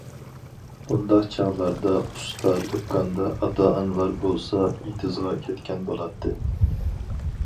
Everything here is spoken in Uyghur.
بۇنداق چاغلاردا ئۇستا دۇكاندا، ئاتا- ئانىلار بولسا ئېتىزغا كەتكەن بولاتتى.